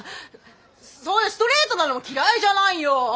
そういうストレートなのも嫌いじゃないよ！